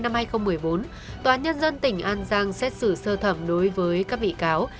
ngày một mươi một tháng một mươi hai năm hai nghìn một mươi bốn tòa nhân dân tỉnh an giang xét xử sơ thẩm đối với các bị cáo